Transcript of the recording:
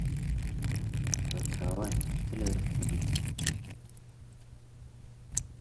بەچاوان هەرچی لە دەستم بێ